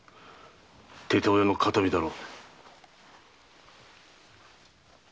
父親の形見だろう。